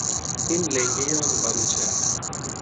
این لنگهی آن قالیچه است.